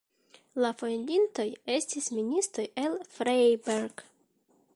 La fondintoj estis ministoj el Freiberg.